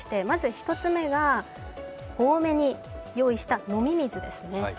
まず１つ目が多めに用意した飲み水ですね。